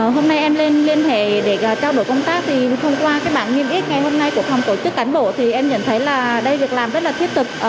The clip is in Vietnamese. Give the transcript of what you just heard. hôm nay em lên liên hệ để trao đổi công tác thì thông qua cái bảng nghiêm túc ngày hôm nay của phòng tổ chức cán bộ thì em nhận thấy là đây việc làm rất là thiết thực